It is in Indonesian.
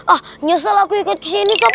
ah nyesel aku ikut ke sini sob